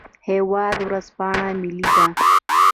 هیواد ورځپاڼه ملي ده